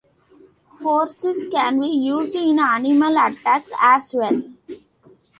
Forensics can be used in animal attacks as well.